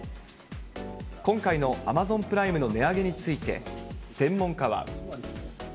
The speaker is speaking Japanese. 今回のアマゾンプライムの値上げについて、専門家は。